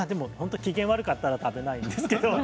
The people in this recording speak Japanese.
機嫌が悪かったら食べないですけれども。